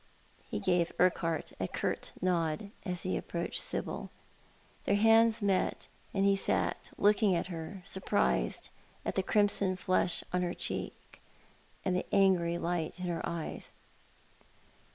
He gave Urquhart a curt nod, as he approached Sibyl, Their hands met, and he stood looking at her, surprised at the crimson flush on her cheeks and the angry light in her eyes.